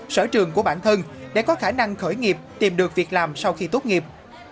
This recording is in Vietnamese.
sở trường của bản thân để có khả năng khởi nghiệp tìm được việc làm sau khi tốt nghiệp